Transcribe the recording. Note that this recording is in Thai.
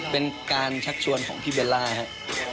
เป็นการชักชวนของพี่เบลล่าครับ